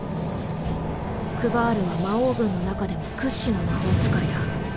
クヴァールは魔王軍の中でも屈指の魔法使いだ。